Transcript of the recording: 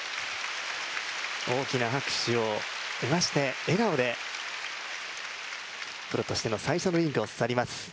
大きな拍手を得まして、笑顔でプロとしての最初のリンクを去ります。